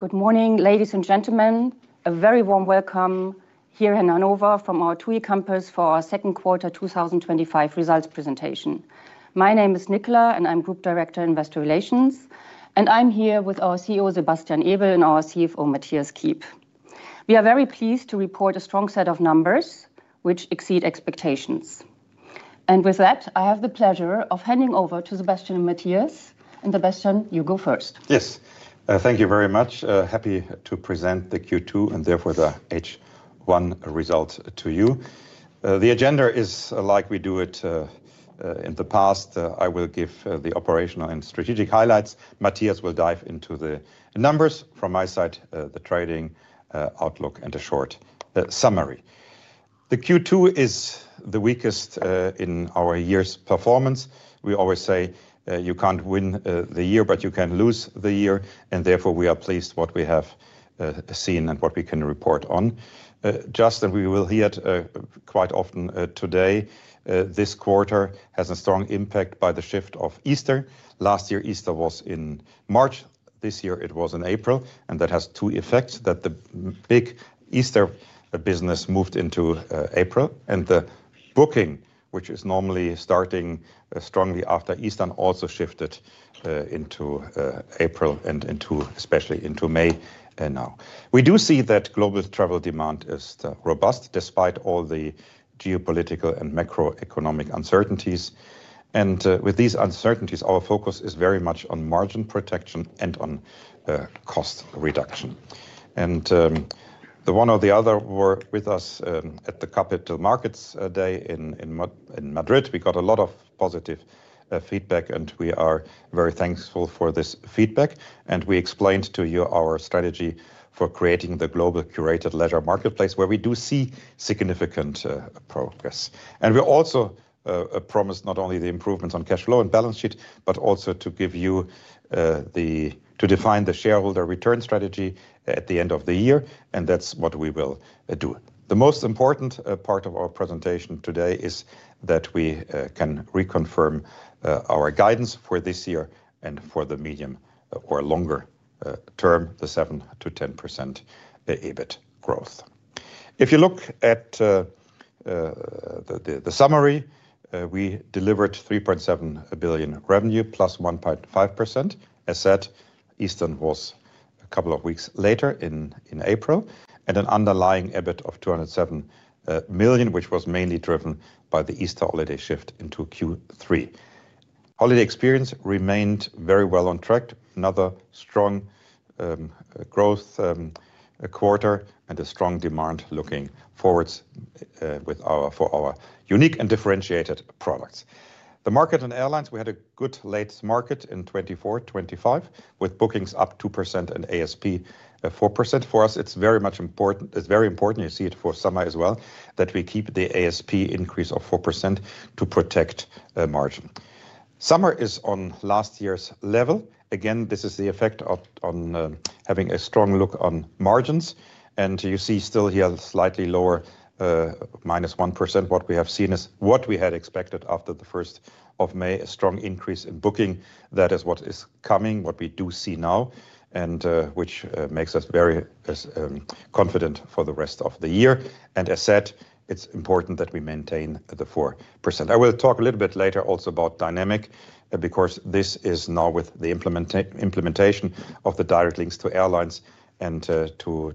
Good morning, ladies and gentlemen. A very warm welcome here in Hannover from our TUI campus for our second quarter 2025 results presentation. My name is Nicola, and I'm Group Director Investor Relations, and I'm here with our CEO, Sebastian Ebel, and our CFO, Mathias Kiep. We are very pleased to report a strong set of numbers which exceed expectations. With that, I have the pleasure of handing over to Sebastian and Mathias. Sebastian, you go first. Yes, thank you very much. Happy to present the Q2 and therefore the H1 results to you. The agenda is like we do it in the past. I will give the operational and strategic highlights. Mathias will dive into the numbers. From my side, the trading outlook and a short summary. The Q2 is the weakest in our year's performance. We always say you can't win the year, but you can lose the year. Therefore, we are pleased with what we have seen and what we can report on. Justin, we will hear it quite often today. This quarter has a strong impact by the shift of Easter. Last year, Easter was in March. This year, it was in April. That has two effects: the big Easter business moved into April, and the booking, which is normally starting strongly after Easter, also shifted into April and especially into May now. We do see that global travel demand is robust despite all the geopolitical and macroeconomic uncertainties. With these uncertainties, our focus is very much on margin protection and on cost reduction. The one or the other were with us at the Capital Markets Day in Madrid. We got a lot of positive feedback, and we are very thankful for this feedback. We explained to you our strategy for creating the global curated ledger marketplace, where we do see significant progress. We also promised not only the improvements on cash flow and balance sheet, but also to define the shareholder return strategy at the end of the year. That is what we will do. The most important part of our presentation today is that we can reconfirm our guidance for this year and for the medium or longer term, the 7%-10% EBIT growth. If you look at the summary, we delivered 3.7 billion revenue plus 1.5%. As said, Easter was a couple of weeks later in April, and an underlying EBIT of 207 million, which was mainly driven by the Easter holiday shift into Q3. Holiday experience remained very well on track. Another strong growth quarter and a strong demand looking forwards for our unique and differentiated products. The market and airlines, we had a good late market in 2024-2025, with bookings up 2% and ASP 4%. For us, it is very important. It is very important. You see it for summer as well, that we keep the ASP increase of 4% to protect margin. Summer is on last year's level. Again, this is the effect of having a strong look on margins. You see still here slightly lower, - 1%. What we have seen is what we had expected after the 1st of May, a strong increase in booking. That is what is coming, what we do see now, which makes us very confident for the rest of the year. As said, it's important that we maintain the 4%. I will talk a little bit later also about dynamic, because this is now with the implementation of the direct links to airlines and to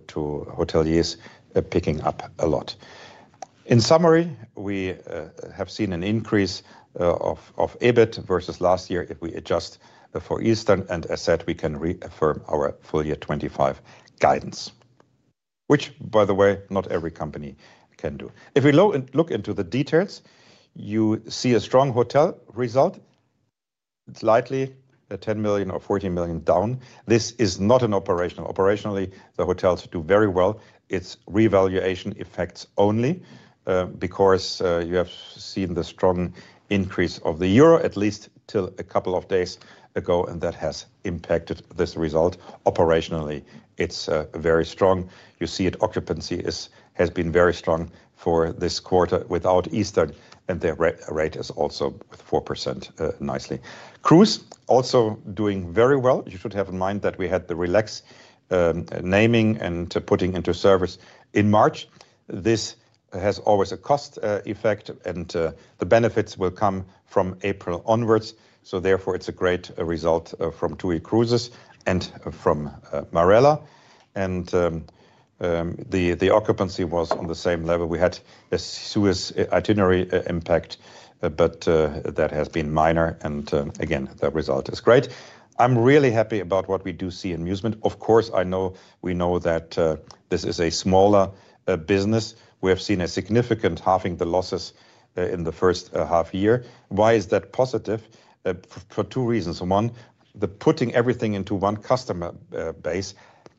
hoteliers picking up a lot. In summary, we have seen an increase of EBIT versus last year if we adjust for Easter. As said, we can reaffirm our full year 2025 guidance, which, by the way, not every company can do. If we look into the details, you see a strong hotel result, slightly 10 million or 14 million down. This is not an operational. Operationally, the hotels do very well. It's revaluation effects only, because you have seen the strong increase of the euro, at least till a couple of days ago, and that has impacted this result. Operationally, it's very strong. You see it. Occupancy has been very strong for this quarter without Easter, and the rate is also with 4% nicely. Cruise also doing very well. You should have in mind that we had the Relax naming and putting into service in March. This has always a cost effect, and the benefits will come from April onwards. Therefore, it's a great result from TUI Cruises and from Marella. The occupancy was on the same level. We had a Suez itinerary impact, but that has been minor. Again, the result is great. I'm really happy about what we do see in amusement. Of course, I know we know that this is a smaller business. We have seen a significant halving of the losses in the first half year. Why is that positive? For two reasons. One, putting everything into one customer base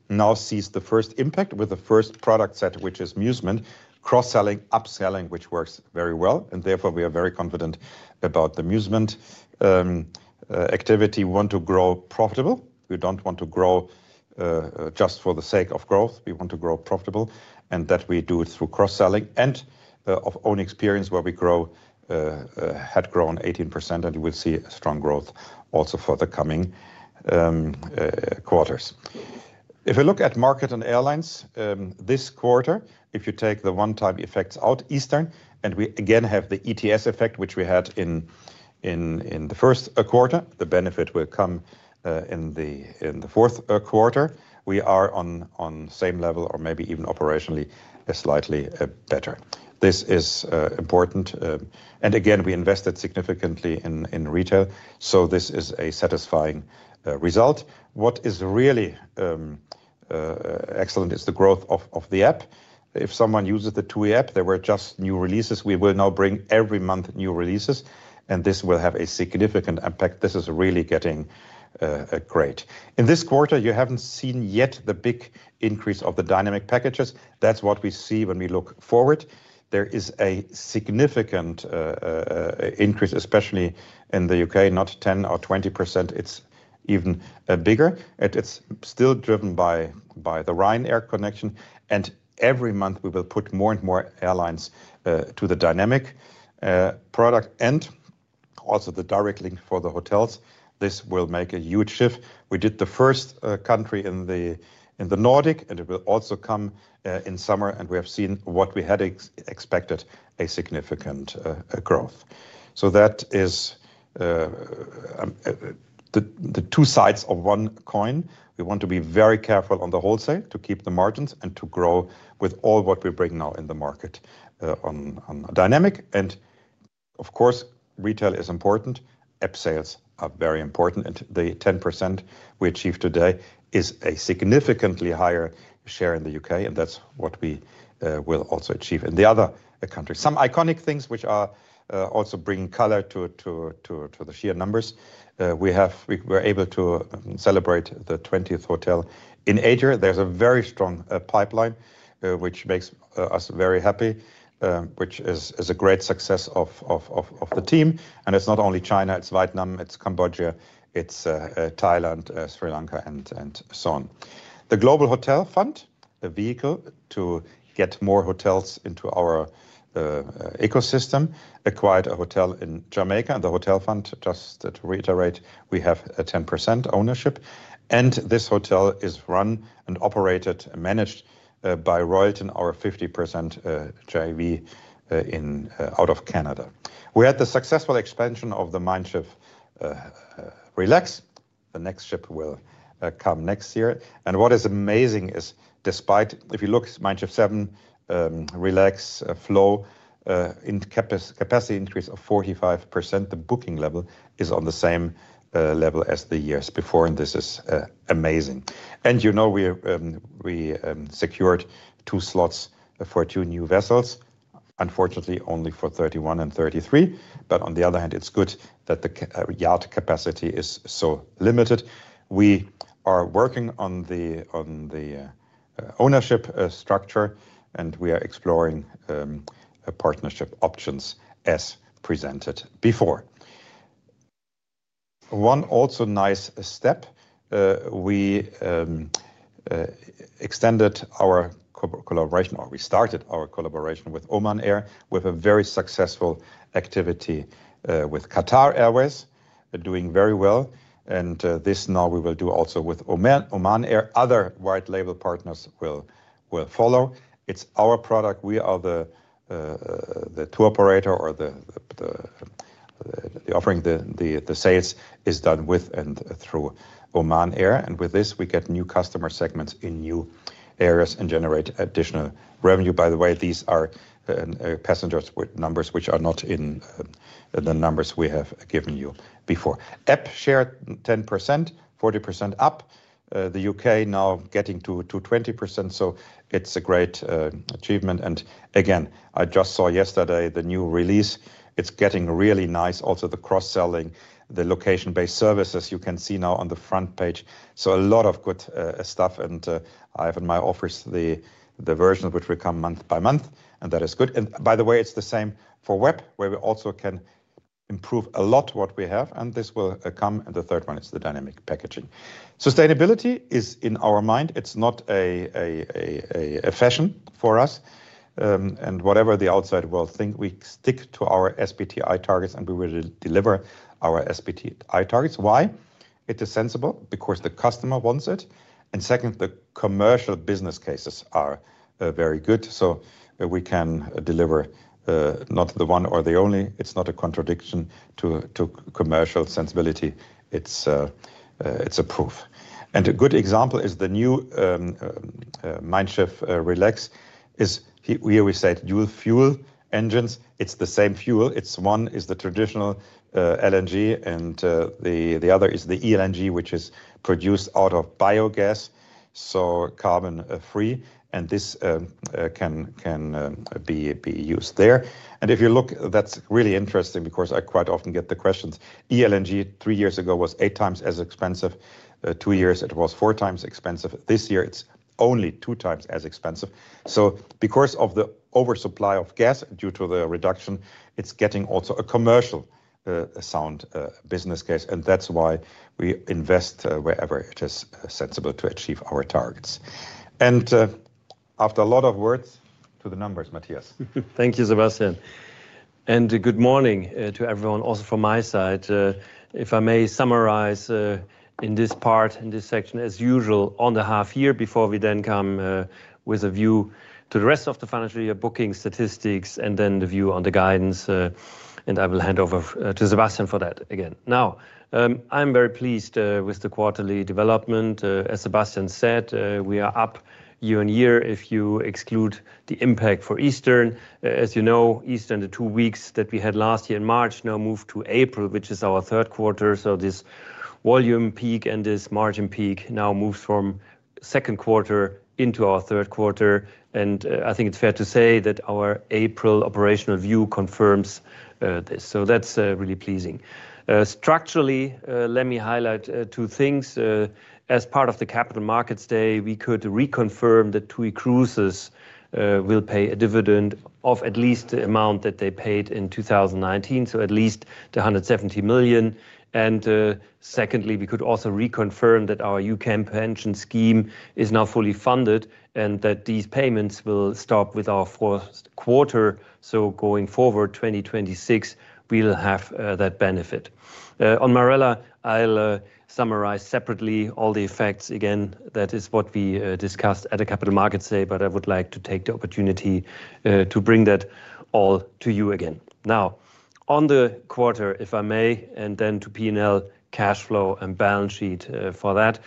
now sees the first impact with the first product set, which is amusement, cross-selling, upselling, which works very well. Therefore, we are very confident about the amusement activity. We want to grow profitable. We don't want to grow just for the sake of growth. We want to grow profitable, and that we do it through cross-selling. And of own experience, where we grow, had grown 18%, and we will see strong growth also for the coming quarters. If we look at market and airlines this quarter, if you take the one-time effects out, Easter, and we again have the ETS effect, which we had in the first quarter, the benefit will come in the fourth quarter. We are on the same level or maybe even operationally slightly better. This is important. Again, we invested significantly in retail, so this is a satisfying result. What is really excellent is the growth of the app. If someone uses the TUI app, there were just new releases. We will now bring every month new releases, and this will have a significant impact. This is really getting great. In this quarter, you have not seen yet the big increase of the dynamic packages. That is what we see when we look forward. There is a significant increase, especially in the U.K., not 10% or 20%. It is even bigger. It's still driven by the Ryanair connection. Every month, we will put more and more airlines to the dynamic product and also the direct link for the hotels. This will make a huge shift. We did the first country in the Nordic, and it will also come in summer. We have seen what we had expected, a significant growth. That is the two sides of one coin. We want to be very careful on the wholesale to keep the margins and to grow with all what we bring now in the market on dynamic. Of course, retail is important. App sales are very important. The 10% we achieved today is a significantly higher share in the U.K., and that's what we will also achieve in the other countries. Some iconic things which are also bringing color to the sheer numbers. We were able to celebrate the 20th hotel in Asia. There's a very strong pipeline, which makes us very happy, which is a great success of the team. It's not only China. It's Vietnam. It's Cambodia. It's Thailand, Sri Lanka, and so on. The Global Hotel Fund, a vehicle to get more hotels into our ecosystem, acquired a hotel in Jamaica. The hotel fund, just to reiterate, we have a 10% ownership. This hotel is run and operated and managed by Royalton, our 50% JV out of Canada. We had the successful expansion of the Mein Schiff Relax. The next ship will come next year. What is amazing is, if you look at Mein Schiff 7 Relax flow, in capacity increase of 45%, the booking level is on the same level as the years before. This is amazing. You know we secured two slots for two new vessels, unfortunately only for 2031 and 2033. On the other hand, it is good that the yacht capacity is so limited. We are working on the ownership structure, and we are exploring partnership options as presented before. One also nice step, we extended our collaboration, or we started our collaboration with Oman Air with a very successful activity with Qatar Airways, doing very well. This now we will do also with Oman Air. Other white label partners will follow. It is our product. We are the tour operator or the offering. The sales is done with and through Oman Air. With this, we get new customer segments in new areas and generate additional revenue. By the way, these are passengers with numbers which are not in the numbers we have given you before. App share 10%, 40% up. The U.K. now getting to 20%. It is a great achievement. I just saw yesterday the new release. It is getting really nice. Also the cross-selling, the location-based services you can see now on the front page. A lot of good stuff. I have in my office the version which will come month by month, and that is good. By the way, it is the same for web, where we also can improve a lot what we have. This will come in the third one. It is the dynamic packaging. Sustainability is in our mind. It is not a fashion for us. Whatever the outside world think, we stick to our SBTi targets, and we will deliver our SBTi targets. Why? It is sensible because the customer wants it. Second, the commercial business cases are very good. We can deliver not the one or the only. It is not a contradiction to commercial sensibility. It is a proof. A good example is the new Mein Schiff Relax. Here we said dual fuel engines. It is the same fuel. One is the traditional LNG, and the other is the eLNG, which is produced out of biogas, so carbon-free. This can be used there. If you look, that is really interesting because I quite often get the questions. eLNG three years ago was eight times as expensive. Two years ago, it was four times as expensive. This year, it is only two times as expensive. Because of the oversupply of gas due to the reduction, it is also getting a commercial sound business case. That is why we invest wherever it is sensible to achieve our targets. After a lot of words to the numbers, Mathias. Thank you, Sebastian. Good morning to everyone also from my side. If I may summarize in this part, in this section, as usual, on the half year before we then come with a view to the rest of the financial year booking statistics and then the view on the guidance. I will hand over to Sebastian for that again. I am very pleased with the quarterly development. As Sebastian said, we are up year-on-year if you exclude the impact for Easter. As you know, Easter, the two weeks that we had last year in March now moved to April, which is our third quarter. This volume peak and this margin peak now moves from second quarter into our third quarter. I think it is fair to say that our April operational view confirms this. That is really pleasing. Structurally, let me highlight two things. As part of the capital markets day, we could reconfirm that TUI Cruises will pay a dividend of at least the amount that they paid in 2019, so at least 170 million. Secondly, we could also reconfirm that our UCAM pension scheme is now fully funded and that these payments will stop with our fourth quarter. Going forward, 2026, we'll have that benefit. On Marella, I'll summarize separately all the effects. Again, that is what we discussed at the capital markets day, but I would like to take the opportunity to bring that all to you again. Now, on the quarter, if I may, and then to P&L cash flow and balance sheet for that,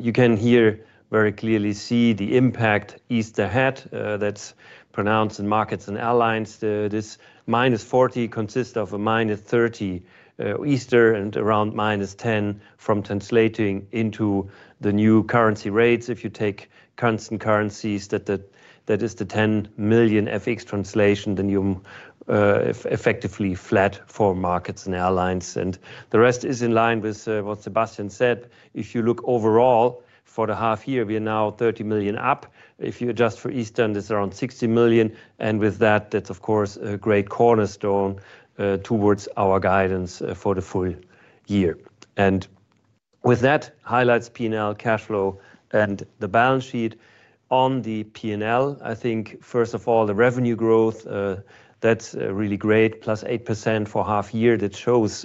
you can here very clearly see the impact Easter had that's pronounced in markets and airlines. This minus 40 consists of a minus 30 Easter and around minus 10 from translating into the new currency rates. If you take currencies, that is the 10 million FX translation, then you are effectively flat for Markets and Airlines. The rest is in line with what Sebastian said. If you look overall for the half year, we are now 30 million up. If you adjust for Easter, it is around 60 million. With that, that is of course a great cornerstone towards our guidance for the full year. With that, highlights P&L, cash flow, and the balance sheet. On the P&L, I think first of all, the revenue growth, that is really great, plus 8% for half year. That shows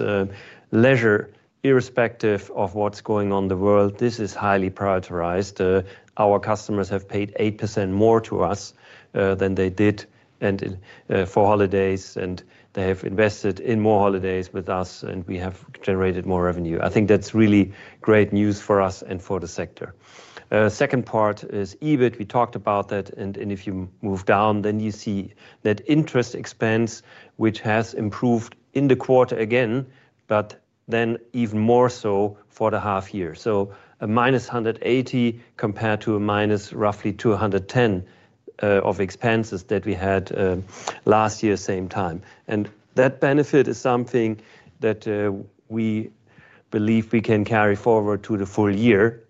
leisure irrespective of what is going on in the world. This is highly prioritized. Our customers have paid 8% more to us than they did for holidays, and they have invested in more holidays with us, and we have generated more revenue. I think that's really great news for us and for the sector. The second part is EBIT. We talked about that. If you move down, then you see that interest expense, which has improved in the quarter again, but then even more so for the half year. A minus 180 million compared to a minus roughly 210 million of expenses that we had last year, same time. That benefit is something that we believe we can carry forward to the full year.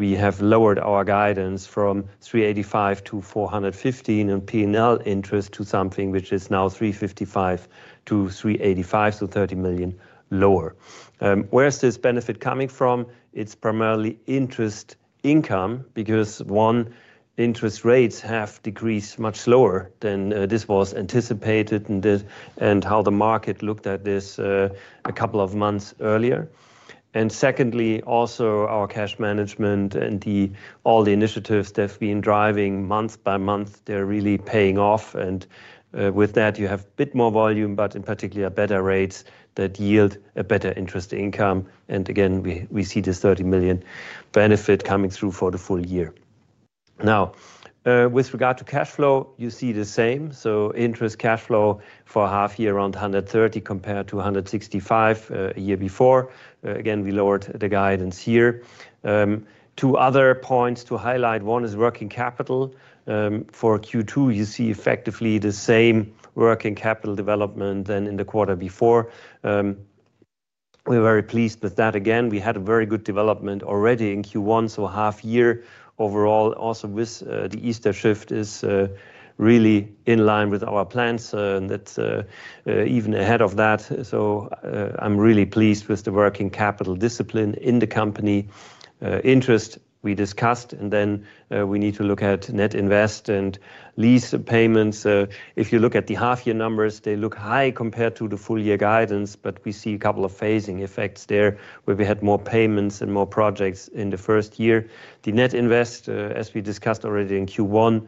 We have lowered our guidance from 385 million-415 million in P&L interest to something which is now 355 million-385 million, so 30 million lower. Where's this benefit coming from? It's primarily interest income because, one, interest rates have decreased much slower than this was anticipated and how the market looked at this a couple of months earlier. Secondly, also our cash management and all the initiatives that have been driving month by month, they're really paying off. With that, you have a bit more volume, but in particular, better rates that yield a better interest income. Again, we see this 30 million benefit coming through for the full year. Now, with regard to cash flow, you see the same. Interest cash flow for half year around 130 million compared to 165 million a year before. Again, we lowered the guidance here. Two other points to highlight. One is working capital for Q2. You see effectively the same working capital development than in the quarter before. We're very pleased with that. Again, we had a very good development already in Q1. Half year overall, also with the Easter shift, is really in line with our plans and even ahead of that. I am really pleased with the working capital discipline in the company. Interest, we discussed. We need to look at net invest and lease payments. If you look at the half year numbers, they look high compared to the full year guidance, but we see a couple of phasing effects there where we had more payments and more projects in the first year. The net invest, as we discussed already in Q1,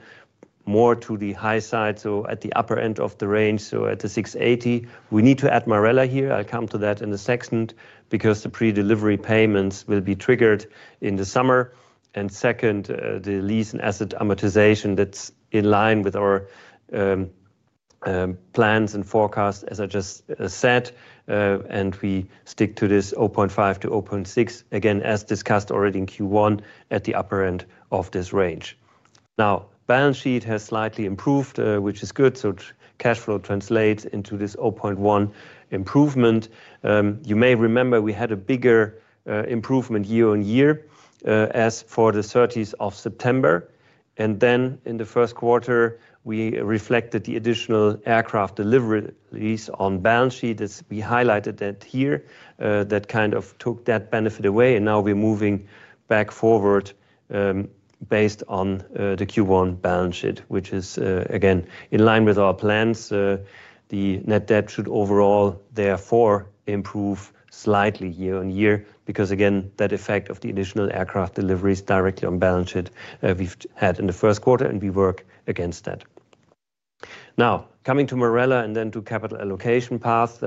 more to the high side, so at the upper end of the range, at the 680 million. We need to add Marella here. I will come to that in the second because the pre-delivery payments will be triggered in the summer. The lease and asset amortization is in line with our plans and forecast, as I just said. We stick to this 0.5-0.6, again, as discussed already in Q1 at the upper end of this range. Now, the balance sheet has slightly improved, which is good. Cash flow translates into this 0.1 improvement. You may remember we had a bigger improvement year-on-year as of the 30th of September. In the first quarter, we reflected the additional aircraft deliveries on the balance sheet. We highlighted that here, that kind of took that benefit away. Now we are moving back forward based on the Q1 balance sheet, which is again in line with our plans. The net debt should overall therefore improve slightly year-on-year because again, that effect of the additional aircraft deliveries directly on balance sheet we've had in the first quarter and we work against that. Now, coming to Marella and then to capital allocation path.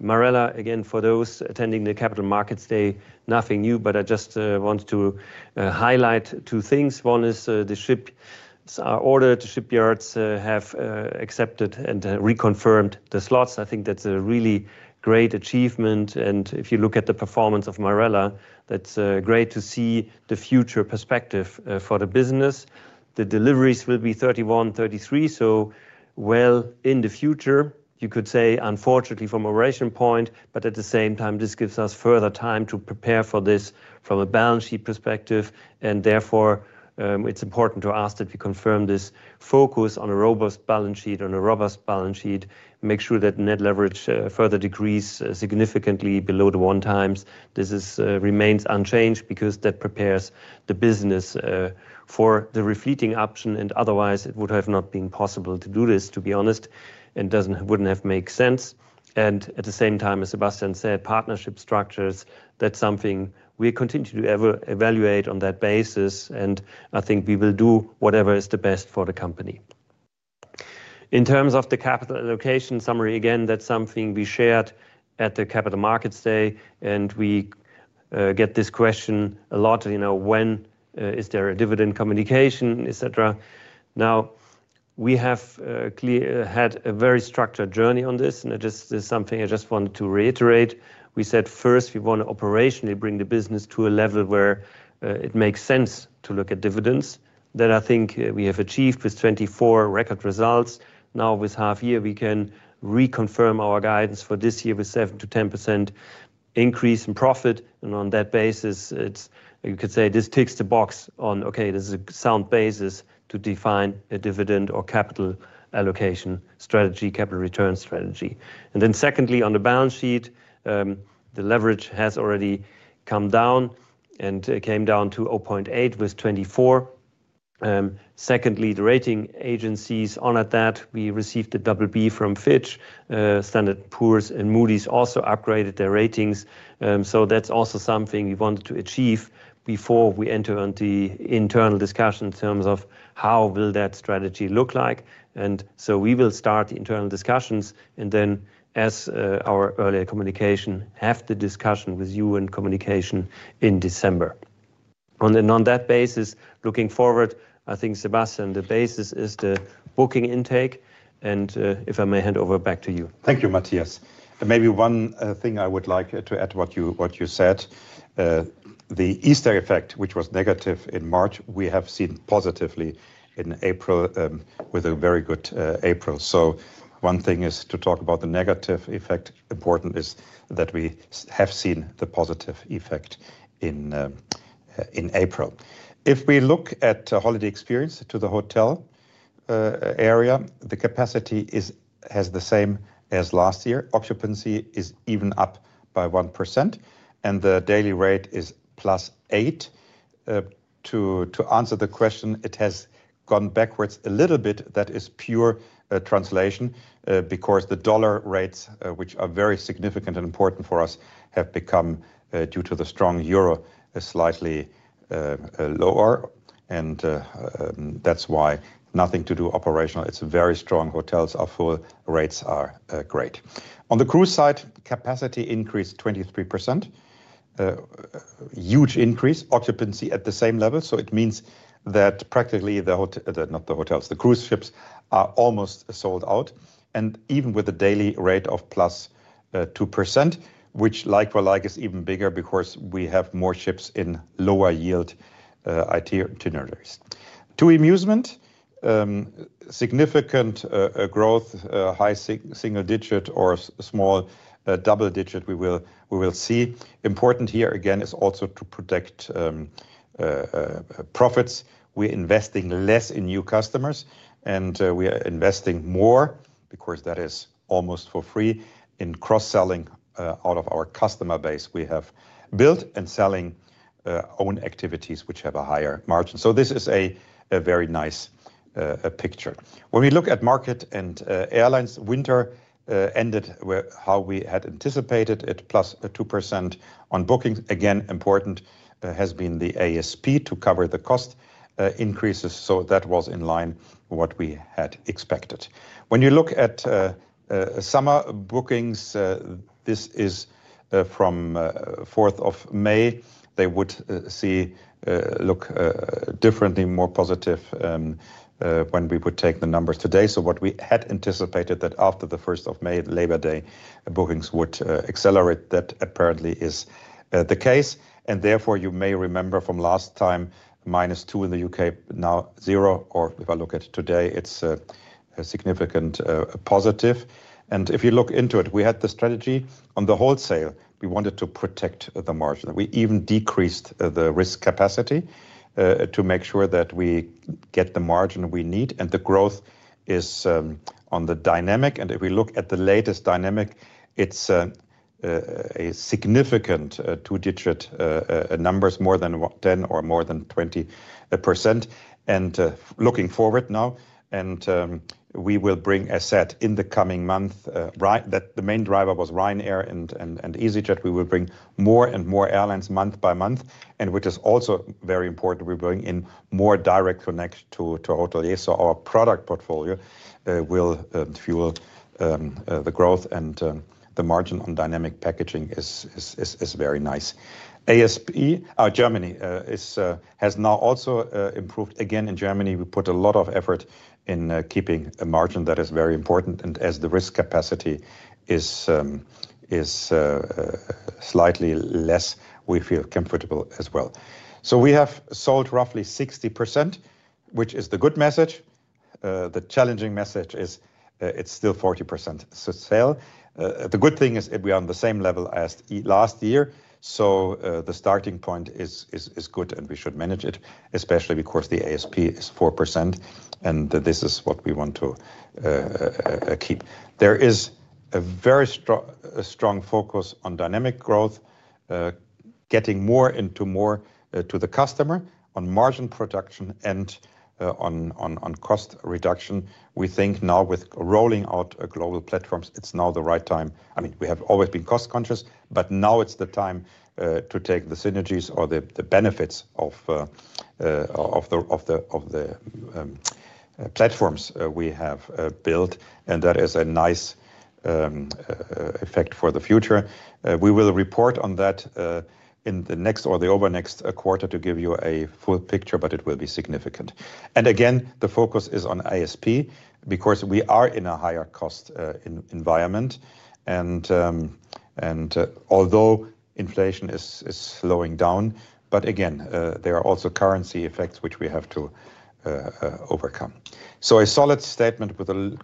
Marella, again, for those attending the Capital Markets Day, nothing new, but I just want to highlight two things. One is the ships are ordered. The shipyards have accepted and reconfirmed the slots. I think that's a really great achievement. If you look at the performance of Marella, that's great to see the future perspective for the business. The deliveries will be 2031, 2033, so well in the future, you could say, unfortunately from a ration point, but at the same time, this gives us further time to prepare for this from a balance sheet perspective. Therefore, it's important to ask that we confirm this focus on a robust balance sheet and a robust balance sheet, make sure that net leverage further decreases significantly below the one times. This remains unchanged because that prepares the business for the refleating option. Otherwise, it would have not been possible to do this, to be honest, and wouldn't have made sense. At the same time, as Sebastian said, partnership structures, that's something we continue to evaluate on that basis. I think we will do whatever is the best for the company. In terms of the capital allocation summary, again, that's something we shared at the capital markets day. We get this question a lot, you know, when is there a dividend communication, etc. We have had a very structured journey on this. This is something I just wanted to reiterate. We said first we want to operationally bring the business to a level where it makes sense to look at dividends that I think we have achieved with 2024 record results. Now, with half year, we can reconfirm our guidance for this year with 7%-10% increase in profit. On that basis, you could say this ticks the box on, okay, this is a sound basis to define a dividend or capital allocation strategy, capital return strategy. Secondly, on the balance sheet, the leverage has already come down and came down to 0.8 with 2024. The rating agencies on that, we received the BB from Fitch. Standard & Poor's and Moody's also upgraded their ratings. That is also something we wanted to achieve before we enter on the internal discussion in terms of how will that strategy look like. We will start the internal discussions and then, as our earlier communication, have the discussion with you and communication in December. On that basis, looking forward, I think, Sebastian, the basis is the booking intake. If I may hand over back to you. Thank you, Mathias. Maybe one thing I would like to add to what you said. The Easter effect, which was negative in March, we have seen positively in April with a very good April. One thing is to talk about the negative effect. Important is that we have seen the positive effect in April. If we look at holiday experience to the hotel area, the capacity has the same as last year. Occupancy is even up by 1%, and the daily rate is plus 8. To answer the question, it has gone backwards a little bit. That is pure translation because the dollar rates, which are very significant and important for us, have become, due to the strong euro, slightly lower. That is why nothing to do operational. It is very strong. Hotels are full. Rates are great. On the cruise side, capacity increased 23%. Huge increase. Occupancy at the same level. It means that practically the hotels, the cruise ships are almost sold out. Even with a daily rate of plus 2%, which like for like is even bigger because we have more ships in lower yield itineraries. To TUI Musement, significant growth, high single-digit or small double-digit we will see. Important here again is also to protect profits. We're investing less in new customers, and we are investing more because that is almost for free in cross-selling out of our customer base we have built and selling own activities which have a higher margin. This is a very nice picture. When we look at market and airlines, winter ended how we had anticipated at +2% on bookings. Again, important has been the ASP to cover the cost increases. That was in line with what we had expected. When you look at summer bookings, this is from 4 May. They would look differently, more positive if we would take the numbers today. What we had anticipated was that after 1 May, Labor Day, bookings would accelerate. That apparently is the case. You may remember from last time, -2% in the U.K., now zero. If I look at today, it's a significant positive. If you look into it, we had the strategy on the wholesale. We wanted to protect the margin. We even decreased the risk capacity to make sure that we get the margin we need. The growth is on the dynamic. If we look at the latest dynamic, it's a significant two-digit numbers, more than 10% or more than 20%. Looking forward now, we will bring a set in the coming month, right? The main driver was Ryanair and easyJet. We will bring more and more airlines month by month. Which is also very important, we're bringing in more direct connection to hoteliers. Our product portfolio will fuel the growth and the margin on dynamic packaging is very nice. ASP Germany has now also improved. Again, in Germany, we put a lot of effort in keeping a margin that is very important. As the risk capacity is slightly less, we feel comfortable as well. We have sold roughly 60%, which is the good message. The challenging message is it is still 40% sale. The good thing is we are on the same level as last year. The starting point is good and we should manage it, especially because the ASP is 4%. This is what we want to keep. There is a very strong focus on dynamic growth, getting more into more to the customer on margin production and on cost reduction. I mean, we think now with rolling out global platforms, it is now the right time. I mean, we have always been cost conscious, but now it is the time to take the synergies or the benefits of the platforms we have built. That is a nice effect for the future. We will report on that in the next or the overnext quarter to give you a full picture, but it will be significant. Again, the focus is on ASP because we are in a higher cost environment. Although inflation is slowing down, there are also currency effects which we have to overcome. A solid statement with a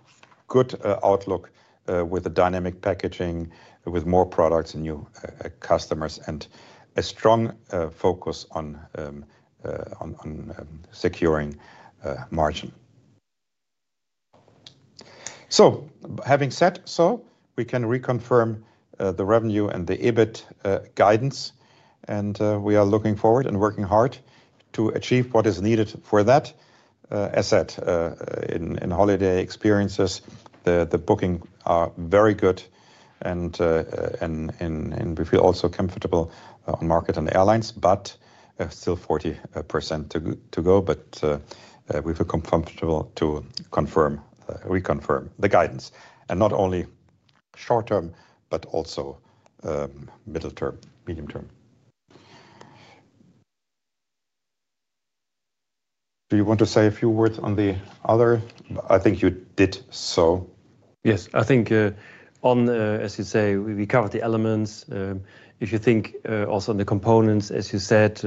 good outlook with dynamic packaging, with more products and new customers, and a strong focus on securing margin. Having said so, we can reconfirm the revenue and the EBIT guidance. We are looking forward and working hard to achieve what is needed for that. As said, in holiday experiences, the bookings are very good. We feel also comfortable on market and airlines, but still 40% to go. We feel comfortable to confirm, reconfirm the guidance. Not only short-term, but also middle term, medium term. Do you want to say a few words on the other? I think you did so. Yes, I think, as you say, we covered the elements. If you think also on the components, as you said,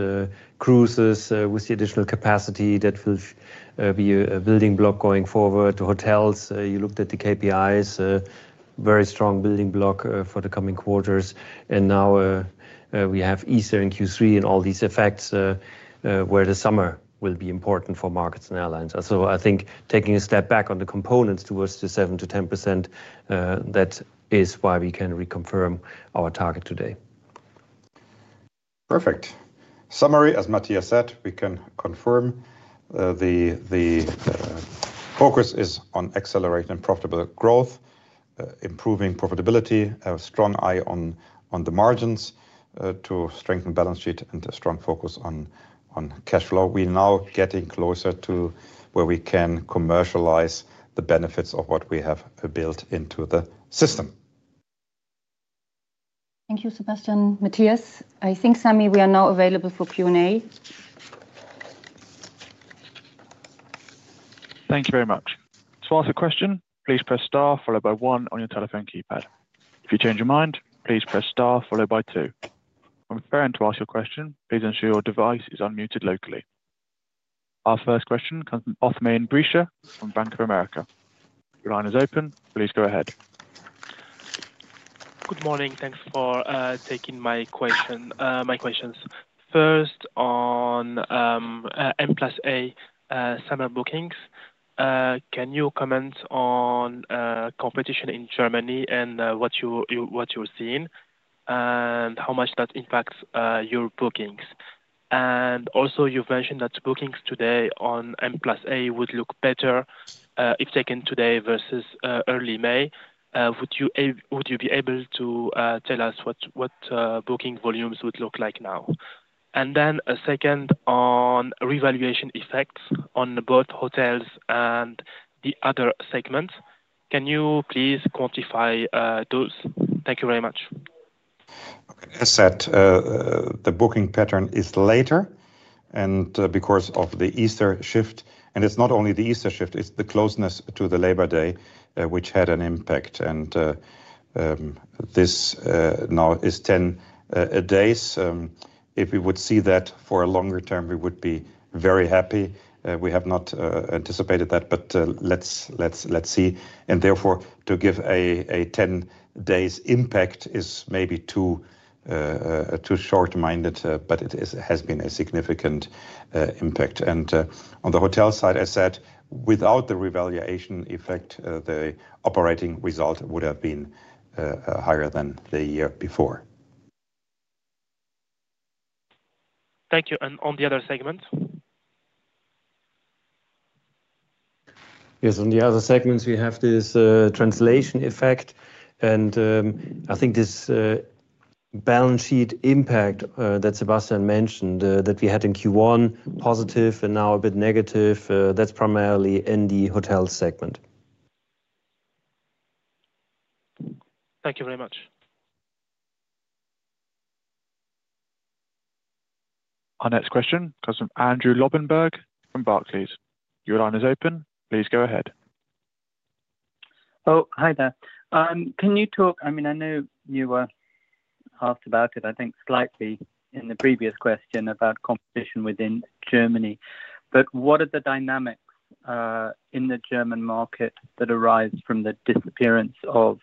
cruises with the additional capacity that will be a building block going forward to hotels. You looked at the KPIs, very strong building block for the coming quarters. Now we have Easter in Q3 and all these effects where the summer will be important for markets and airlines. I think taking a step back on the components towards the 7%-10%, that is why we can reconfirm our target today. Perfect. Summary, as Mathias said, we can confirm the focus is on accelerating profitable growth, improving profitability, a strong eye on the margins to strengthen balance sheet and a strong focus on cash flow. We are now getting closer to where we can commercialize the benefits of what we have built into the system. Thank you, Sebastian. Mathias, I think, Sami, we are now available for Q&A. Thank you very much. To ask a question, please press star followed by one on your telephone keypad. If you change your mind, please press star followed by two. When preparing to ask your question, please ensure your device is unmuted locally. Our first question comes from Othmane Bricha from Bank of America. Your line is open. Please go ahead. Good morning. Thanks for taking my questions. First, on M&A summer bookings, can you comment on competition in Germany and what you're seeing and how much that impacts your bookings? Also, you've mentioned that bookings today on M&A would look better if taken today versus early May. Would you be able to tell us what booking volumes would look like now? A second on revaluation effects on both hotels and the other segments. Can you please quantify those? Thank you very much. As said, the booking pattern is later because of the Easter shift. It's not only the Easter shift, it's the closeness to the Labor Day, which had an impact. This now is 10 days. If we would see that for a longer term, we would be very happy. We have not anticipated that, but let's see. Therefore, to give a 10-day impact is maybe too short-minded, but it has been a significant impact. On the hotel side, as said, without the revaluation effect, the operating result would have been higher than the year before. Thank you. On the other segments? Yes, on the other segments, we have this translation effect. I think this balance sheet impact that Sebastian mentioned that we had in Q1, positive and now a bit negative, that's primarily in the hotel segment. Thank you very much. Our next question comes from Andrew Lobbenberg from Barclays. Your line is open. Please go ahead. Oh, hi there. Can you talk? I mean, I know you were asked about it, I think, slightly in the previous question about competition within Germany. What are the dynamics in the German market that arise from the disappearance of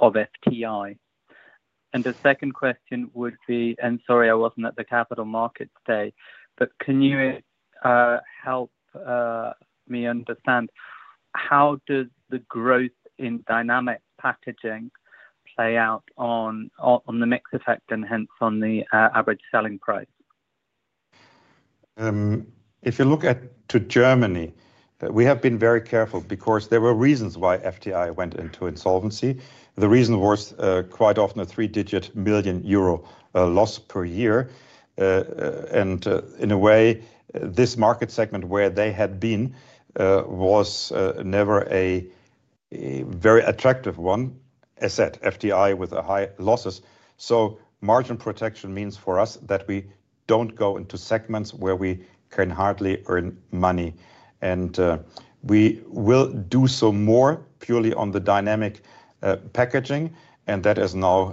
FTI? The second question would be, and sorry, I was not at the Capital Markets Day, but can you help me understand how does the growth in dynamic packaging play out on the mix effect and hence on the average selling price? If you look at Germany, we have been very careful because there were reasons why FTI went into insolvency. The reason was quite often a three-digit million euro loss per year. In a way, this market segment where they had been was never a very attractive one, as said, FTI with high losses. Margin protection means for us that we do not go into segments where we can hardly earn money. We will do so more purely on the dynamic packaging, and that is now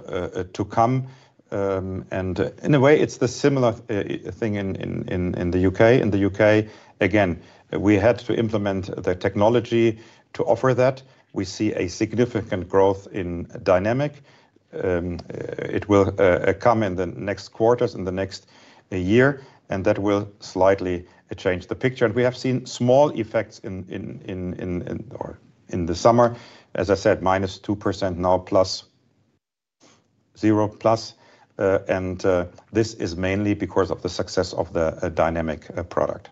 to come. In a way, it is the similar thing in the U.K. In the U.K., again, we had to implement the technology to offer that. We see a significant growth in dynamic. It will come in the next quarters, in the next year, and that will slightly change the picture. We have seen small effects in the summer. As I said, - 2% now, plus zero, plus. This is mainly because of the success of the dynamic product.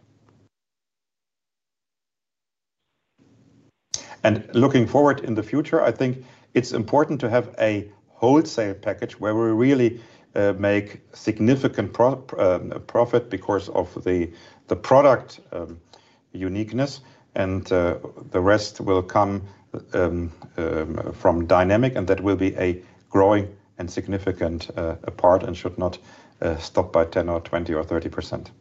Looking forward in the future, I think it's important to have a wholesale package where we really make significant profit because of the product uniqueness. The rest will come from dynamic, and that will be a growing and significant part and should not stop by 10% or 20% or 30%.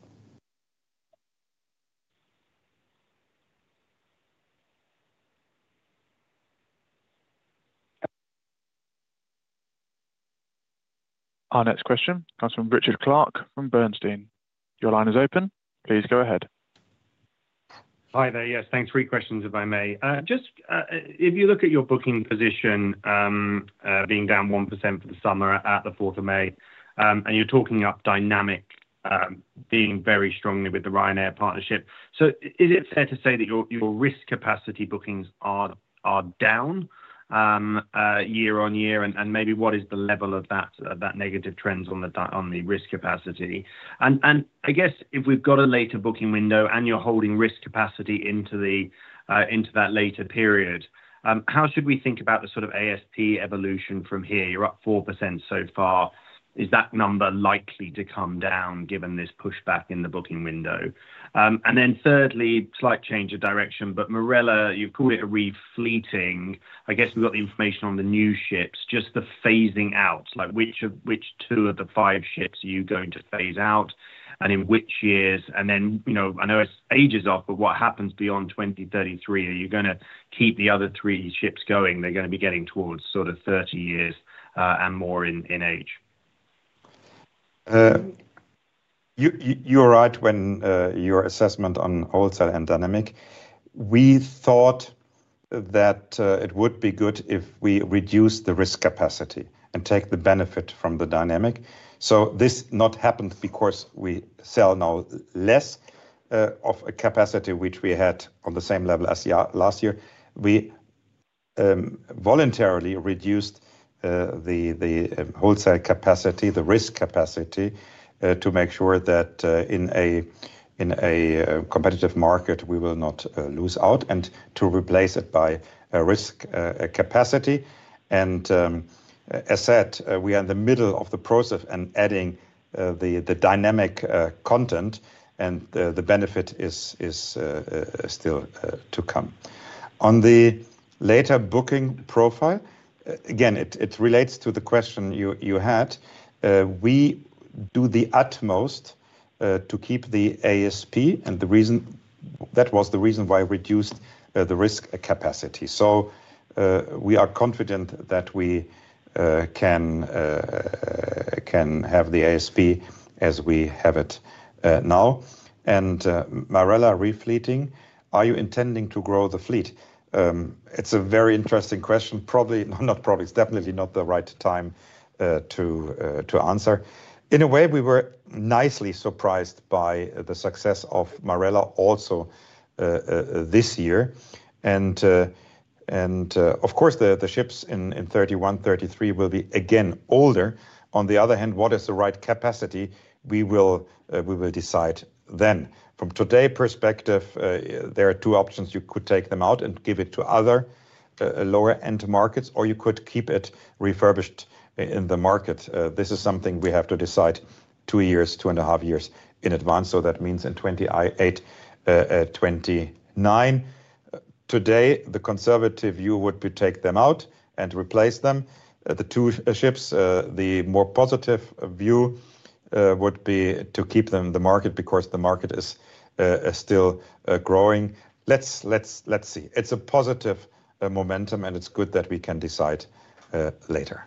Our next question comes from Richard Clarke from Bernstein. Your line is open. Please go ahead. Hi there. Yes, thanks. Three questions, if I may. Just if you look at your booking position being down 1% for the summer at the 4th of May, and you're talking up dynamic being very strongly with the Ryanair partnership. Is it fair to say that your risk capacity bookings are down year-on-year? Maybe what is the level of that negative trend on the risk capacity? I guess if we've got a later booking window and you're holding risk capacity into that later period, how should we think about the sort of ASP evolution from here? You're up 4% so far. Is that number likely to come down given this pushback in the booking window? Thirdly, slight change of direction. Marella, you've called it a refleeting. I guess we've got the information on the new ships, just the phasing out. Which two of the five ships are you going to phase out and in which years? I know it ages off, but what happens beyond 2033? Are you going to keep the other three ships going? They're going to be getting towards sort of 30 years and more in age. You're right when your assessment on wholesale and dynamic. We thought that it would be good if we reduce the risk capacity and take the benefit from the dynamic. This not happened because we sell now less of a capacity which we had on the same level as last year. We voluntarily reduced the wholesale capacity, the risk capacity, to make sure that in a competitive market, we will not lose out and to replace it by risk capacity. As said, we are in the middle of the process and adding the dynamic content, and the benefit is still to come. On the later booking profile, again, it relates to the question you had. We do the utmost to keep the ASP, and that was the reason why we reduced the risk capacity. We are confident that we can have the ASP as we have it now. And Marella, refleeting, are you intending to grow the fleet? It's a very interesting question. Probably not probably, it's definitely not the right time to answer. In a way, we were nicely surprised by the success of Marella also this year. Of course, the ships in 2031, 2033 will be again older. On the other hand, what is the right capacity? We will decide then. From today's perspective, there are two options. You could take them out and give it to other lower-end markets, or you could keep it refurbished in the market. This is something we have to decide two years, two and a half years in advance. That means in 2028, 2029. Today, the conservative view would be to take them out and replace them. The two ships, the more positive view would be to keep them in the market because the market is still growing. Let's see. It's a positive momentum, and it's good that we can decide later.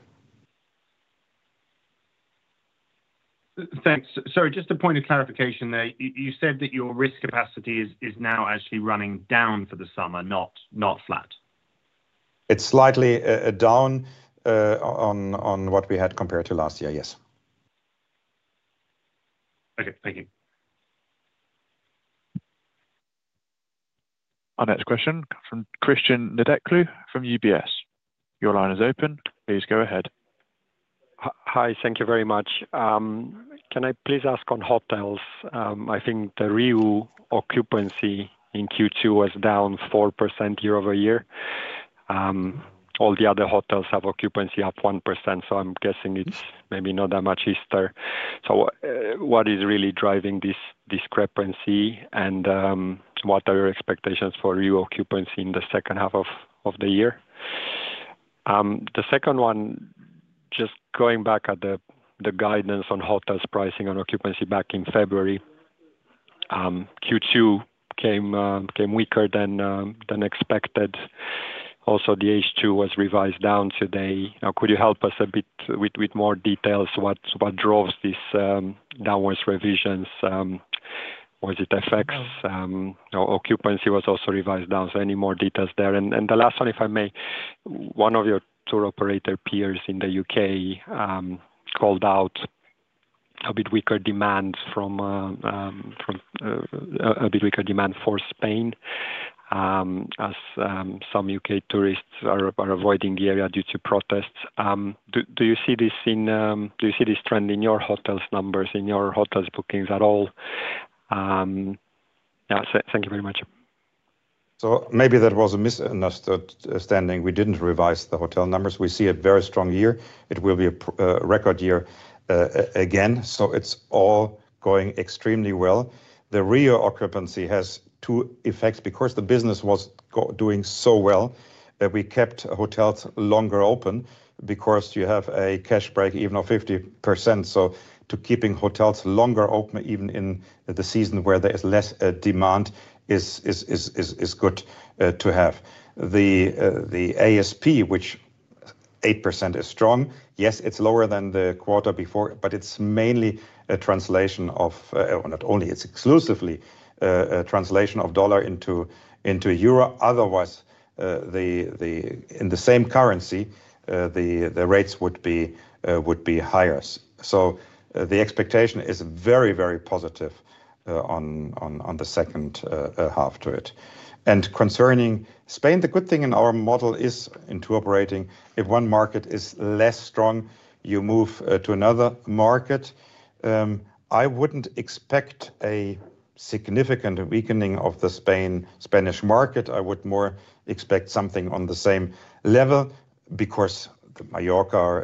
Thanks. Sorry, just a point of clarification there. You said that your risk capacity is now actually running down for the summer, not flat. It's slightly down on what we had compared to last year, yes. Okay, thank you. Our next question comes from Cristian Nedelcu from UBS. Your line is open. Please go ahead. Hi, thank you very much. Can I please ask on hotels? I think the reoccupancy in Q2 was down 4% year-over-year. All the other hotels have occupancy up 1%, so I'm guessing it's maybe not that much easier. What is really driving this discrepancy and what are your expectations for reoccupancy in the second half of the year? The second one, just going back at the guidance on hotels pricing on occupancy back in February, Q2 came weaker than expected. Also, the H2 was revised down today. Now, could you help us a bit with more details? What draws these downwards revisions? Was it effects? Occupancy was also revised down. Any more details there? The last one, if I may, one of your tour operator peers in the U.K. called out a bit weaker demand for Spain as some U.K. tourists are avoiding the area due to protests. Do you see this trend in your hotels' numbers, in your hotels' bookings at all? Thank you very much. Maybe that was a misunderstanding. We did not revise the hotel numbers. We see a very strong year. It will be a record year again. It is all going extremely well. The reoccupancy has two effects because the business was doing so well that we kept hotels longer open because you have a cash break even of 50%. Keeping hotels longer open, even in the season where there is less demand, is good to have. The ASP, which 8% is strong, yes, it's lower than the quarter before, but it's mainly a translation of not only it's exclusively a translation of dollar into euro. Otherwise, in the same currency, the rates would be higher. The expectation is very, very positive on the second half to it. Concerning Spain, the good thing in our model is in tour operating, if one market is less strong, you move to another market. I wouldn't expect a significant weakening of the Spanish market. I would more expect something on the same level because Mallorca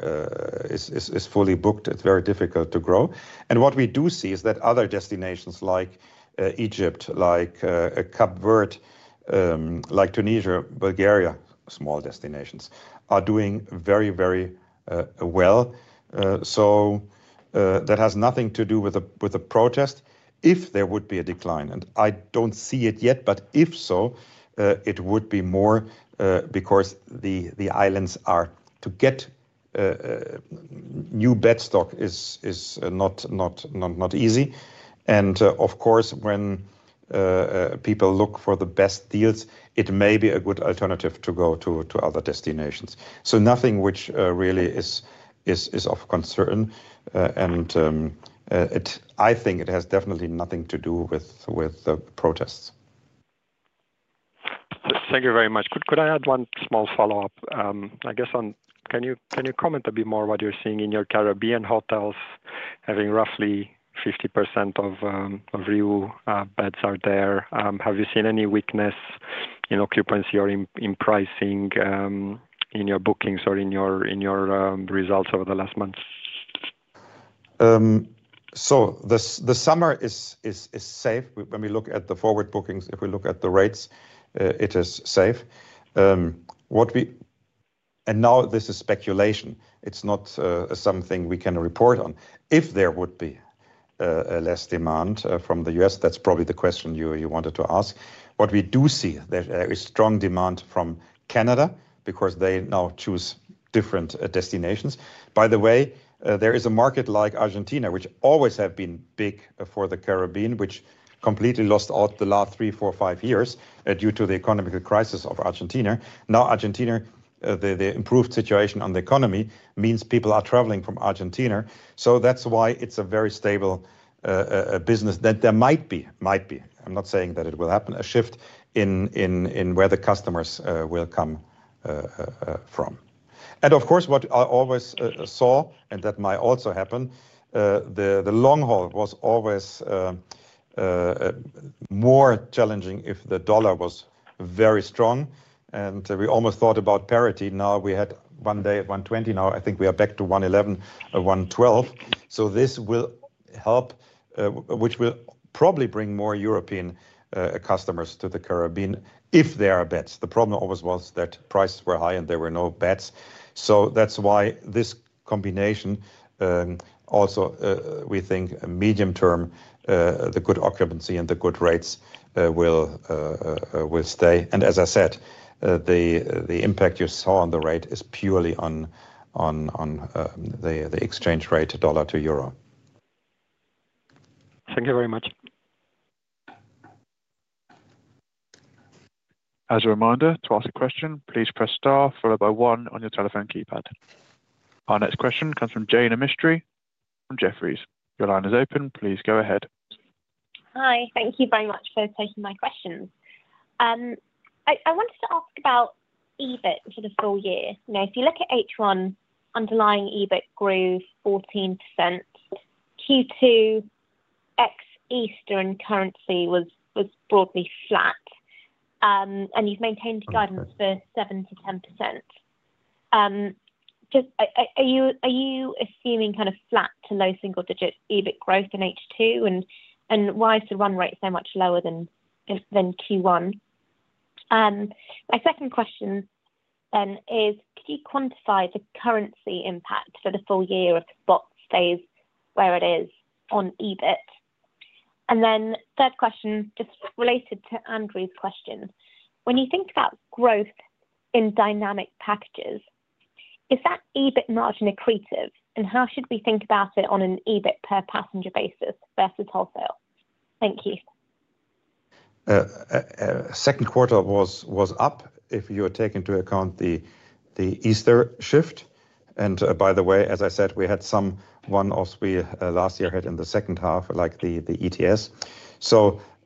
is fully booked. It's very difficult to grow. What we do see is that other destinations like Egypt, like Cape Verde, like Tunisia, Bulgaria, small destinations, are doing very, very well. That has nothing to do with the protest if there would be a decline. I do not see it yet, but if so, it would be more because the islands are, to get new bedstock is not easy. Of course, when people look for the best deals, it may be a good alternative to go to other destinations. Nothing which really is of concern. I think it has definitely nothing to do with the protests. Thank you very much. Could I add one small follow-up? I guess, can you comment a bit more what you are seeing in your Caribbean hotels having roughly 50% of rebeds out there? Have you seen any weakness in occupancy or in pricing in your bookings or in your results over the last months? The summer is safe. When we look at the forward bookings, if we look at the rates, it is safe. This is speculation. It's not something we can report on. If there would be less demand from the U.S., that's probably the question you wanted to ask. What we do see is strong demand from Canada because they now choose different destinations. By the way, there is a market like Argentina, which always has been big for the Caribbean, which completely lost out the last three, four, five years due to the economic crisis of Argentina. Now, Argentina, the improved situation on the economy means people are traveling from Argentina. That's why it's a very stable business that there might be, might be. I'm not saying that it will happen, a shift in where the customers will come from. Of course, what I always saw, and that might also happen, the long haul was always more challenging if the dollar was very strong. We almost thought about parity. Now we had one day at 120. Now I think we are back to 111, 112. This will help, which will probably bring more European customers to the Caribbean if there are beds. The problem always was that prices were high and there were no beds. That is why this combination also, we think medium-term, the good occupancy and the good rates will stay. As I said, the impact you saw on the rate is purely on the exchange rate, dollar to euro. Thank you very much. As a reminder, to ask a question, please press star followed by one on your telephone keypad. Our next question comes from Jane Amistry from Jefferies. Your line is open. Please go ahead. Hi. Thank you very much for taking my questions. I wanted to ask about EBIT for the full year. Now, if you look at H1, underlying EBIT grew 14%. Q2 ex-Easter and currency was broadly flat. You have maintained guidance for 7%-10%. Are you assuming kind of flat to low single-digit EBIT growth in H2? Why is the run rate so much lower than Q1? My second question then is, could you quantify the currency impact for the full year if the spot stays where it is on EBIT? Third question, just related to Andrew's question. When you think about growth in dynamic packages, is that EBIT margin accretive? How should we think about it on an EBIT per passenger basis versus wholesale? Thank you. Second quarter was up if you take into account the Easter shift. By the way, as I said, we had some one-off or three last year ahead in the second half, like the ETS.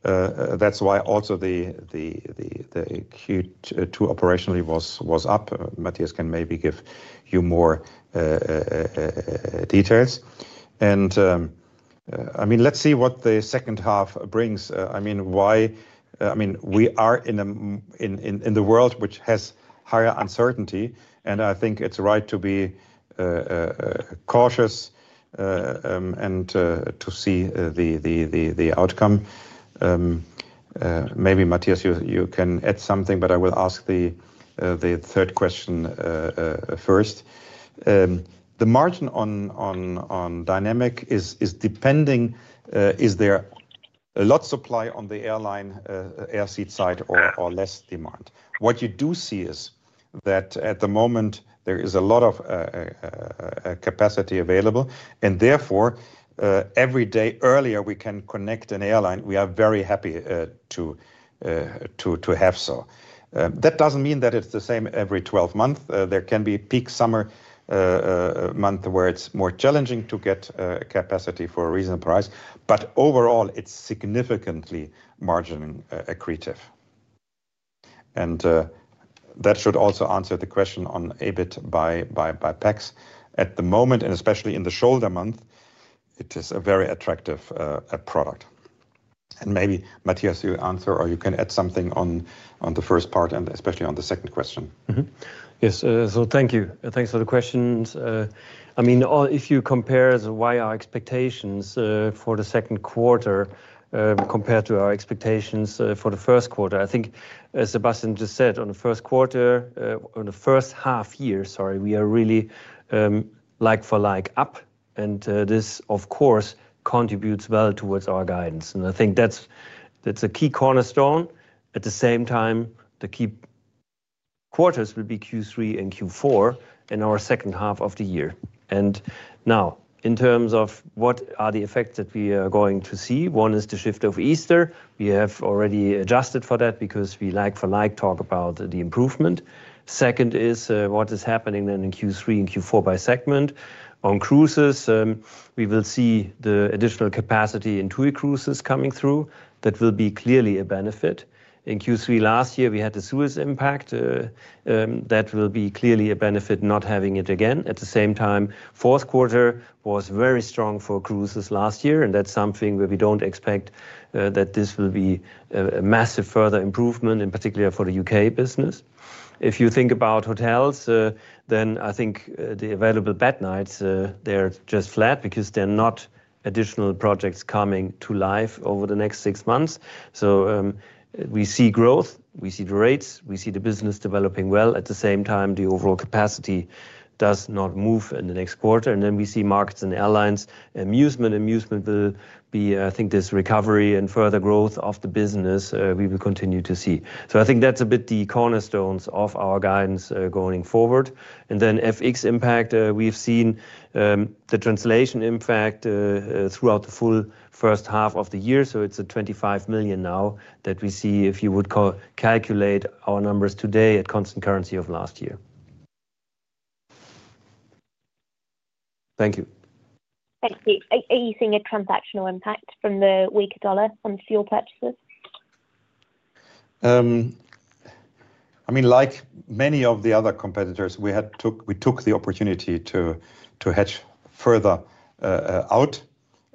That's why also the Q2 operationally was up. Mathias can maybe give you more details. I mean, let's see what the second half brings. I mean, we are in a world which has higher uncertainty. I think it's right to be cautious and to see the outcome. Maybe Mathias, you can add something, but I will ask the third question first. The margin on dynamic is depending, is there a lot of supply on the airline air seat side or less demand? What you do see is that at the moment, there is a lot of capacity available. Therefore, every day earlier we can connect an airline, we are very happy to have so. That doesn't mean that it's the same every 12 months. There can be peak summer month where it's more challenging to get capacity for a reasonable price. Overall, it's significantly margin accretive. That should also answer the question on EBIT by PACS. At the moment, and especially in the shoulder month, it is a very attractive product. Maybe Mathias, you answer or you can add something on the first part and especially on the second question. Yes. Thank you. Thanks for the questions. I mean, if you compare why our expectations for the second quarter compared to our expectations for the first quarter, I think, as Sebastian just said, on the first quarter, on the first half year, sorry, we are really like for like up. This, of course, contributes well towards our guidance. I think that's a key cornerstone. At the same time, the key quarters will be Q3 and Q4 in our second half of the year. Now, in terms of what are the effects that we are going to see, one is the shift of Easter. We have already adjusted for that because we like for like talk about the improvement. Second is what is happening then in Q3 and Q4 by segment. On cruises, we will see the additional capacity in TUI Cruises coming through. That will be clearly a benefit. In Q3 last year, we had the Suez impact. That will be clearly a benefit not having it again. At the same time, fourth quarter was very strong for cruises last year. That is something where we do not expect that this will be a massive further improvement, in particular for the U.K. business. If you think about hotels, then I think the available bed nights, they are just flat because there are not additional projects coming to life over the next six months. We see growth. We see the rates. We see the business developing well. At the same time, the overall capacity does not move in the next quarter. We see markets and airlines. Amusement, amusement will be, I think, this recovery and further growth of the business we will continue to see. I think that is a bit the cornerstones of our guidance going forward. FX impact, we have seen the translation impact throughout the full first half of the year. It is 25 million now that we see if you would calculate our numbers today at constant currency of last year. Thank you. Thank you. Are you seeing a transactional impact from the weaker dollar on fuel purchases? I mean, like many of the other competitors, we took the opportunity to hedge further out.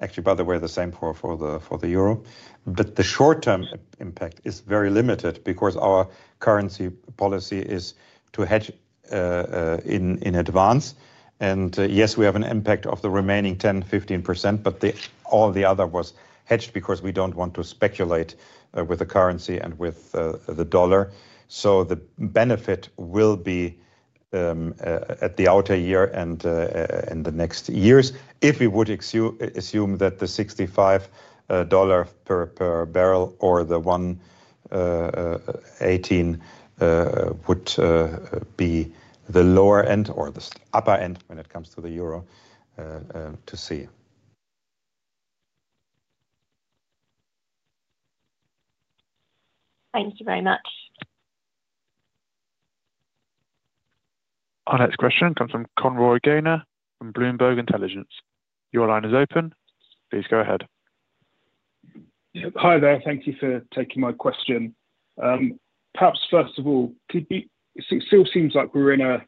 Actually, by the way, the same for the euro. The short-term impact is very limited because our currency policy is to hedge in advance. Yes, we have an impact of the remaining 10%-15%, but all the other was hedged because we do not want to speculate with the currency and with the dollar. The benefit will be at the outer year and in the next years if we would assume that the $65 per barrel or the $118 would be the lower end or the upper end when it comes to the euro to see. Thank you very much. Our next question comes from Conroy Gaynor from Bloomberg Intelligence. Your line is open. Please go ahead. Hi there. Thank you for taking my question. Perhaps first of all, it still seems like we are in a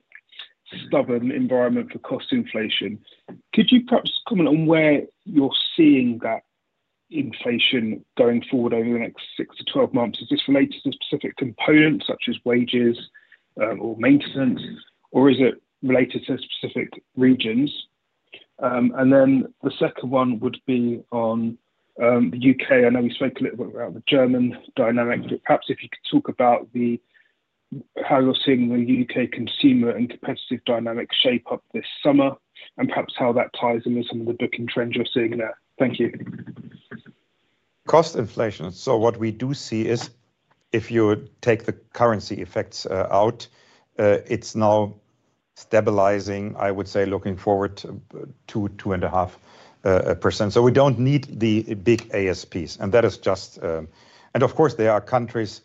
stubborn environment for cost inflation. Could you perhaps comment on where you're seeing that inflation going forward over the next 6 months-2 months? Is this related to specific components such as wages or maintenance, or is it related to specific regions? The second one would be on the U.K. I know we spoke a little bit about the German dynamic, but perhaps if you could talk about how you're seeing the U.K. consumer and competitive dynamic shape up this summer and perhaps how that ties into some of the booking trends you're seeing there. Thank you. Cost inflation. What we do see is if you take the currency effects out, it's now stabilizing, I would say, looking forward to 2.5%. We don't need the big ASPs. That is just, and of course, there are countries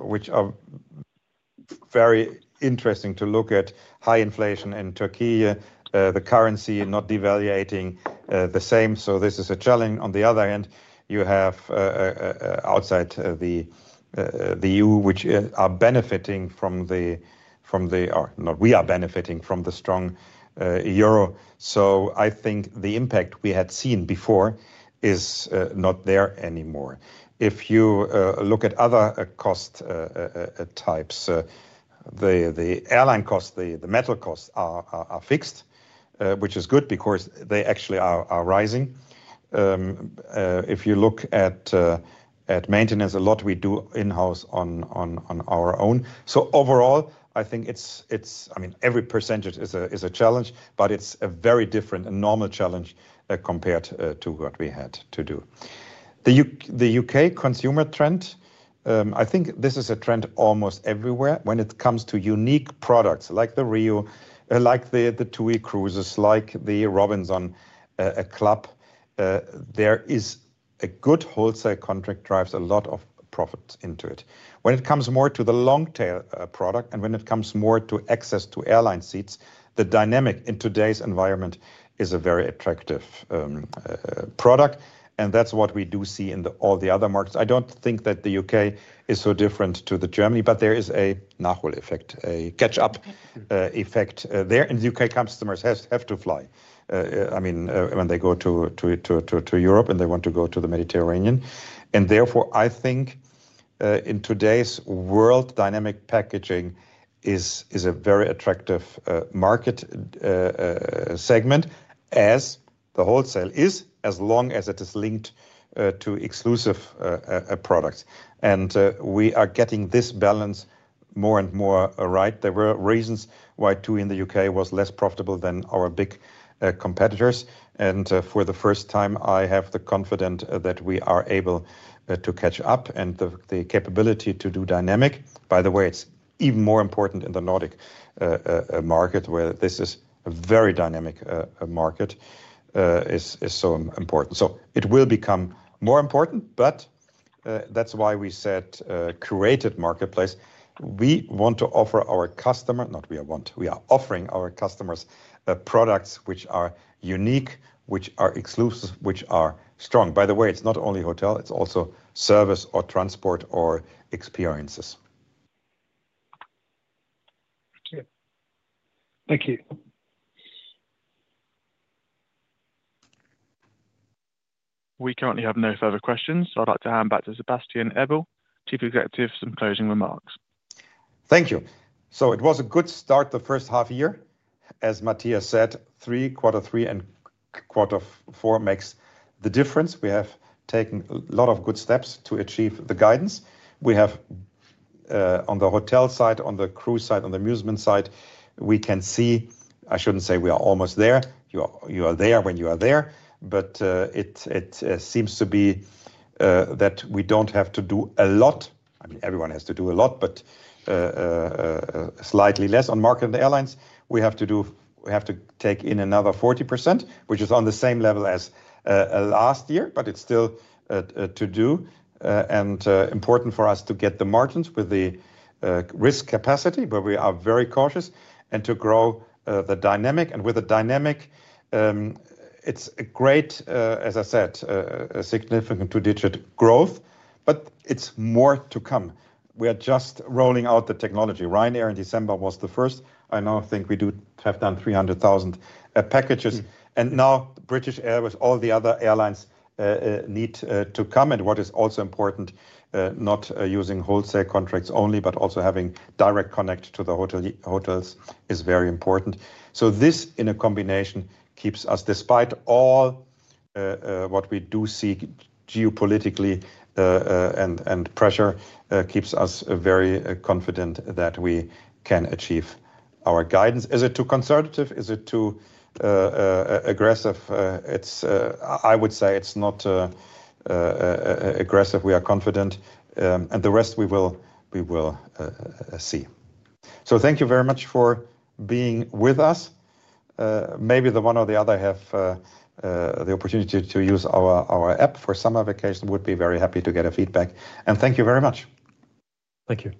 which are very interesting to look at. High inflation in Turkey, the currency not devaluating the same. This is a challenge. On the other hand, you have outside the EU, which are benefiting from the, or not we are benefiting from the strong euro. I think the impact we had seen before is not there anymore. If you look at other cost types, the airline costs, the metal costs are fixed, which is good because they actually are rising. If you look at maintenance, a lot we do in-house on our own. Overall, I think it's, I mean, every percentage is a challenge, but it's a very different and normal challenge compared to what we had to do. The U.K. consumer trend, I think this is a trend almost everywhere. When it comes to unique products like the Robinson Club, like the TUI Cruises, like the Robinson Club, there is a good wholesale contract drives a lot of profit into it. When it comes more to the long-tail product and when it comes more to access to airline seats, the dynamic in today's environment is a very attractive product. That is what we do see in all the other markets. I do not think that the U.K. is so different to Germany, but there is a Nachholeffekt, a catch-up effect there. The U.K. customers have to fly, I mean, when they go to Europe and they want to go to the Mediterranean. Therefore, I think in today's world, dynamic packaging is a very attractive market segment as the wholesale is, as long as it is linked to exclusive products. We are getting this balance more and more right. There were reasons why TUI in the U.K. was less profitable than our big competitors. For the first time, I have the confidence that we are able to catch up and the capability to do dynamic. By the way, it is even more important in the Nordic market where this is a very dynamic market, is so important. It will become more important, which is why we said curated marketplace. We want to offer our customer, not we want, we are offering our customers products which are unique, which are exclusive, which are strong. By the way, it is not only hotel, it is also service or transport or experiences. Thank you. Thank you. We currently have no further questions. I would like to hand back to Sebastian Ebel, Chief Executive, for some closing remarks. Thank you. It was a good start the first half year. As Mathias said, Q3 and Q4 makes the difference. We have taken a lot of good steps to achieve the guidance. We have on the hotel side, on the cruise side, on the amusement side, we can see, I shouldn't say we are almost there. You are there when you are there. It seems to be that we do not have to do a lot. I mean, everyone has to do a lot, but slightly less on market and airlines. We have to do, we have to take in another 40%, which is on the same level as last year, but it is still to do. Important for us to get the margins with the risk capacity, but we are very cautious and to grow the dynamic. With the dynamic, it is a great, as I said, significant two-digit growth, but it is more to come. We are just rolling out the technology. Ryanair in December was the first. I now think we have done 300,000 packages. Now British Airways, all the other airlines need to come. What is also important, not using wholesale contracts only, but also having direct connect to the hotels is very important. This in a combination keeps us, despite all what we do see geopolitically and pressure, keeps us very confident that we can achieve our guidance. Is it too conservative? Is it too aggressive? I would say it's not aggressive. We are confident. The rest, we will see. Thank you very much for being with us. Maybe one or the other have the opportunity to use our app for summer vacation. We would be very happy to get feedback. Thank you very much. Thank you.